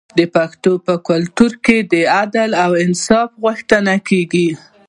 د پښتنو په کلتور کې د عدل او انصاف غوښتنه کیږي.